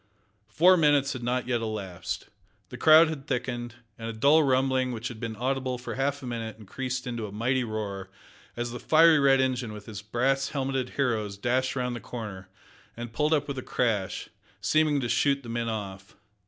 Four minutes had not yet elapsed. The crowd had thickened, and a dull rumbling which had been audible for half a minute increased into a mighty roar as the fiery red engine with its brass helmeted heroes dashed round the corner, and pulled up with a crash, seeming to shoot the men off.